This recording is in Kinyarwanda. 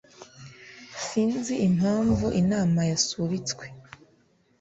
Sinzi impamvu inama yasubitswe.